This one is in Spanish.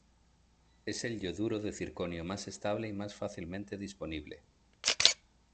Es el yoduro de circonio más estable y más fácilmente disponible.